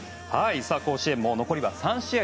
甲子園も残りは３試合。